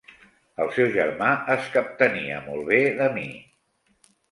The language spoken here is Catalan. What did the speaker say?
El seu germà es captenia molt bé de mi.